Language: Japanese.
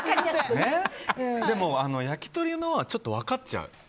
でも、焼き鳥のはちょっと分かっちゃう。